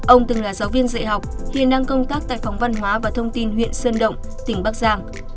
ông từng là giáo viên dạy học hiện đang công tác tại phòng văn hóa và thông tin huyện sơn động tỉnh bắc giang